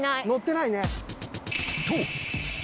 乗ってないね。